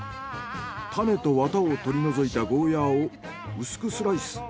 種と綿を取り除いたゴーヤーを薄くスライス。